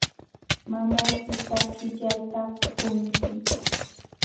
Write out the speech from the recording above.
Mamaykita qillayta qunki.